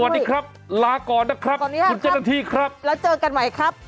สวัสดีครับลาก่อนนะครับสวัสดีค่ะคุณเจ้าหน้าที่ครับแล้วเจอกันใหม่ครับ